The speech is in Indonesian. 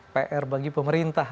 pr bagi pemerintah